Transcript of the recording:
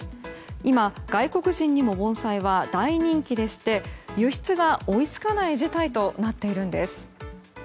今、外国人にも盆栽は大人気でして輸出が追い付かない事態となっているんです。